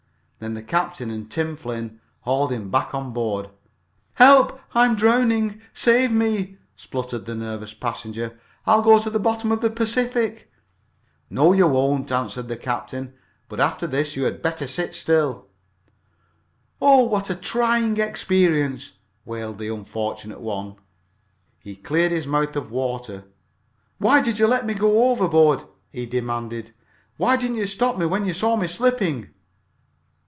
Then the captain and Tim Flynn hauled him back on board. "Help! I am drowning! Save me!" spluttered the nervous passenger. "I'll go to the bottom of the Pacific!" "No, you won't," answered Captain Spark. "But after this you had better sit still." "Oh, what a trying experience!" wailed the unfortunate one. He cleared his mouth of water. "Why did you let me go overboard?" he demanded. "Why didn't you stop me when you saw me slipping?"